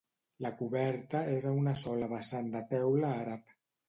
La coberta és a una sola vessant de teula àrab.